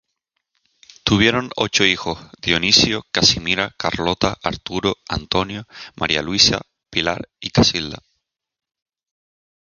Tuvieron ocho hijos: Dionisio, Casimira, Carlota, Arturo, Antonio, Maria Luisa, Pilar y Casilda.